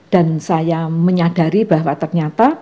dan saya menyadari bahwa